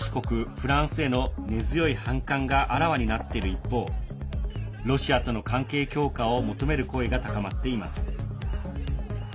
フランスへの根強い反感があらわになっている一方ロシアとの関係強化を求める声が高まっています。